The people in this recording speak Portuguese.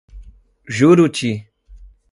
Juruti